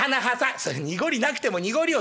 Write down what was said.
「それ濁りなくても濁りを」。